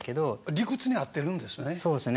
理屈に合ってるんですね。